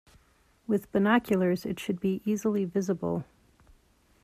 With binoculars it should be easily visible.